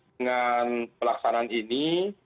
dengan pelaksanaan ini